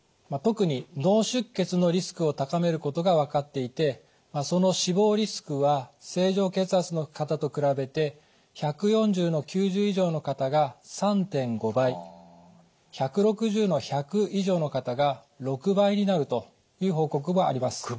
特に脳出血のリスクを高めることが分かっていてその死亡リスクは正常血圧の方と比べて１４０／９０以上の方が３．５倍１６０／１００以上の方が６倍になるという報告もあります。